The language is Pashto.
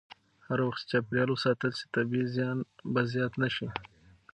هر وخت چې چاپېریال وساتل شي، طبیعي زیان به زیات نه شي.